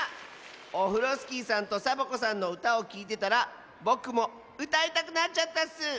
オフロスキーさんとサボ子さんのうたをきいてたらぼくもうたいたくなっちゃったッス！